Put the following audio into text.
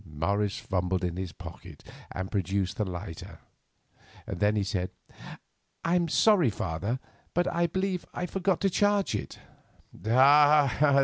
Morris fumbled in his pocket and produced the lighter. Then he said: "I am sorry, father; but I believe I forgot to charge it." "Ah!